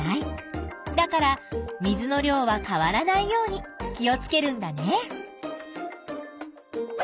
だから水の量は変わらないように気をつけるんだね。